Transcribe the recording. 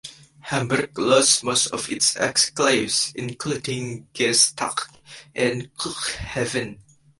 Hamburg lost most of its exclaves, including Geesthacht and Cuxhaven.